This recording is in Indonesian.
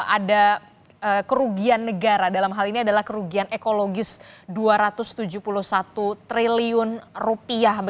ada kerugian negara dalam hal ini adalah kerugian ekologis dua ratus tujuh puluh satu triliun rupiah